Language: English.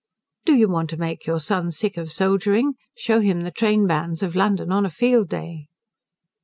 "Do you want to make your son sick of soldiering? Shew him the Trainbands of London on a field day."